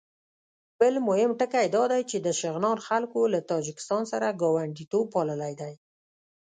بل مهم ټکی دا چې د شغنان خلکو له تاجکستان سره ګاونډیتوب پاللی دی.